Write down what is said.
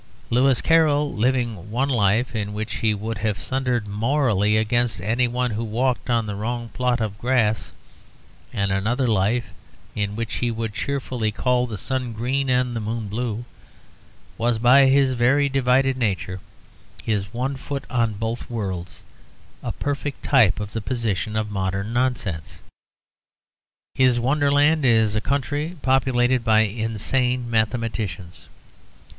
Lewis Carroll, living one life in which he would have thundered morally against any one who walked on the wrong plot of grass, and another life in which he would cheerfully call the sun green and the moon blue, was, by his very divided nature, his one foot on both worlds, a perfect type of the position of modern nonsense. His Wonderland is a country populated by insane mathematicians.